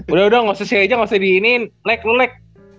udah udah gak usah siain aja gak usah di iniin lek lo lek